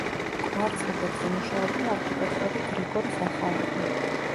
კვარცხლბეკზე მუშაობდა არქიტექტორი გრიგორ ზახაროვი.